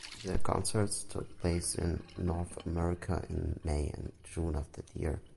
The concerts took place in North America in May and June of that year.